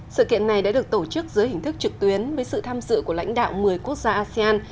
sự kiện này đã được tổ chức dưới hình thức trực tuyến với sự tham dự của lãnh đạo một mươi quốc gia asean